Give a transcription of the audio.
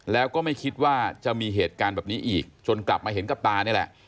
แล้วก็ไม่คิดว่าจะมีเหตุการณ์แบบนี้อีกจนกลับมาเห็นกับตานี่แหละ